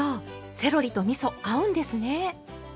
セロリとみそ合うんですね。